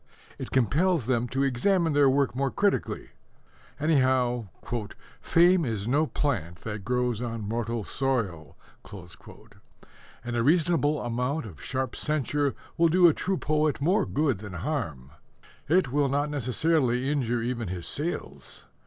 It compels them to examine their work more critically. Anyhow, "fame is no plant that grows on mortal soil," and a reasonable amount of sharp censure will do a true poet more good than harm. It will not necessarily injure even his sales.